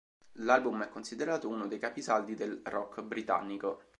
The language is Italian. L'album è considerato uno dei capisaldi del rock britannico.